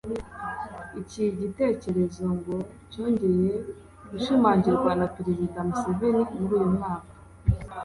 Iki gitekerezo ngo cyongeye gushimangirwa na Perezida Museveni muri uyu mwaka